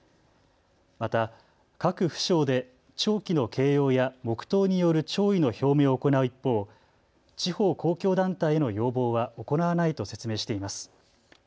また各府省で弔旗の掲揚や黙とうによる弔意の表明を行う一方、地方公共団体への要望は行わないと説明しています。